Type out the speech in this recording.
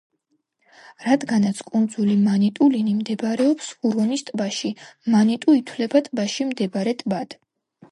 რადგანაც კუნძული მანიტულინი მდებარეობს ჰურონის ტბაში, მანიტუ ითვლება ტბაში მდებარე ტბად.